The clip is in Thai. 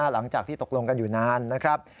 หลังจากที่ตกลงกันอยู่นานนะครับ